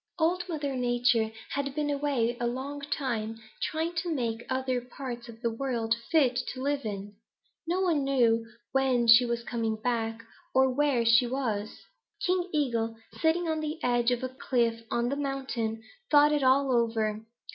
"Old Mother Nature had been away a long time trying to make other parts of the world fit to live in. No one knew when she was coming back or just where she was. King Eagle, sitting on the edge of the cliff on the mountain, thought it all over.